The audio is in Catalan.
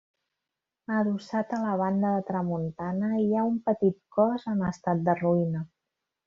Adossat a la banda de tramuntana hi ha un petit cos en estat de ruïna.